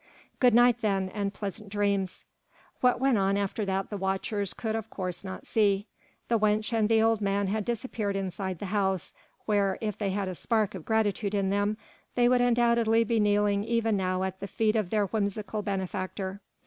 Good night then and pleasant dreams." What went on after that the watchers could, of course, not see. The wench and the old man had disappeared inside the house, where, if they had a spark of gratitude in them, they would undoubtedly be kneeling even now at the feet of their whimsical benefactor.